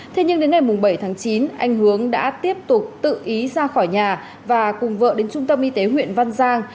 thế nhưng đến ngày bảy tháng chín anh hướng đã tiếp tục tự ý ra khỏi nhà và cùng vợ đến trung tâm y tế huyện văn giang